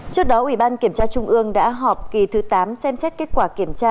trước đó ủy ban kiểm tra trung ương đã họp kỳ thứ tám xem xét kết quả kiểm tra